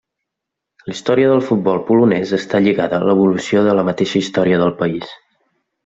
La història del futbol polonès està lligada a l'evolució de la mateixa història del país.